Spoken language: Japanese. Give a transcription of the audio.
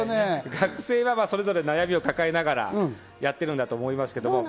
学生はそれぞれ悩みを抱えながらやってるんだと思いますけど。